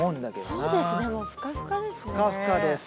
そうですねもうふかふかですね。